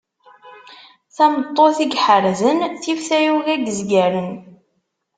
tameṭṭut i iḥerrzen tif tayuga n yezgaren.